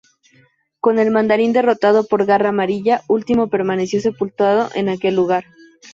Con el Mandarín derrotado por Garra Amarilla, Ultimo permaneció sepultado en aquel lugar.